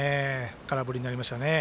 空振りになりましたね。